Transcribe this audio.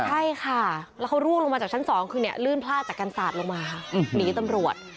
ใช่ค่ะแล้วเขาร่วมลงมาจากชั้นสองคือลื่นพลาดจากกันสาดลงมาหนีตำรวจ